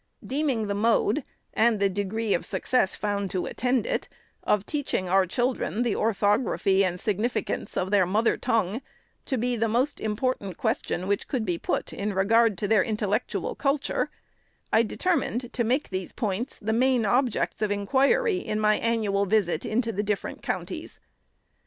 Deeming the mode, and the degree of success found to attend it, of teaching our children the orthography and significance of their mother tongue, to be the most im portant question which could be put in regard to their intellectual culture, I determined to make those points the main objects of inquiry in my annual visit into the different counties.